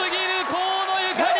河野ゆかり